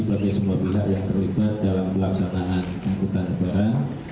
bagi semua pihak yang terlibat dalam pelaksanaan angkutan negara